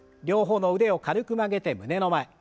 両方の腕を軽く曲げて胸の前。